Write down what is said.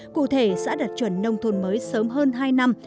cụ thể xã đạt chuẩn nông thôn mới sớm hơn hai năm